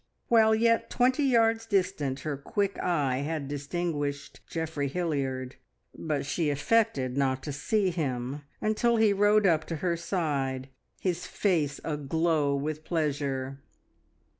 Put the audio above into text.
While yet twenty yards distant her quick eye had distinguished Geoffrey Hilliard, but she affected not to see him until he rode up to her side, his face aglow with pleasure.